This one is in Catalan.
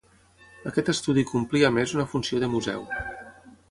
Aquest estudi complia a més una funció de museu.